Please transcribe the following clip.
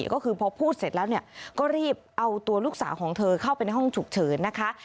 ก็คือพอพูดเสร็จแล้วก็รีบเอาตัวลูกสาวของเธอเข้าไปในห้องฉุกเฉินนะคะ